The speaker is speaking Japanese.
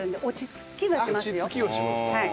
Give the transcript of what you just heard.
落ち着きはしますか。